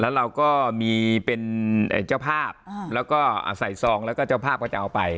แล้วเราก็มีเป็นเจ้าภาพแล้วก็ใส่ซองแล้วก็เจ้าภาพก็จะเอาไป